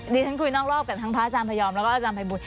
ฉันคุยนอกรอบกันทั้งพระอาจารย์พยอมแล้วก็อาจารย์ภัยบุญ